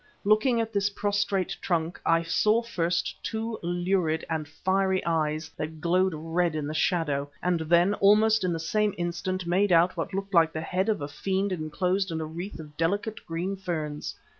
Looking at this prostrate trunk, I saw first two lurid and fiery eyes that glowed red in the shadow; and then, almost in the same instant, made out what looked like the head of a fiend enclosed in a wreath of the delicate green ferns.